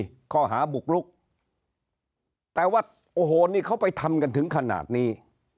ข้อหาบุกลุกแต่ว่าโอ้โหนี่เขาไปทำกันถึงขนาดนี้